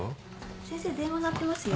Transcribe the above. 先生電話鳴ってますよ。